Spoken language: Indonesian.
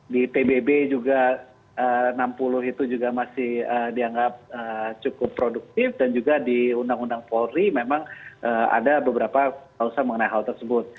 di pbb juga enam puluh itu juga masih dianggap cukup produktif dan juga di undang undang polri memang ada beberapa pasal mengenai hal tersebut